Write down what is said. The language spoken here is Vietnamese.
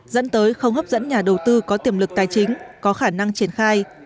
dẫn tới không hấp dẫn nhà đầu tư có tiềm lực tài chính có khả năng triển khai